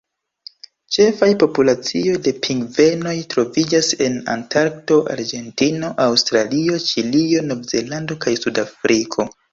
Ĉefaj populacioj de pingvenoj troviĝas en Antarkto, Argentino, Aŭstralio, Ĉilio, Novzelando, kaj Sudafriko.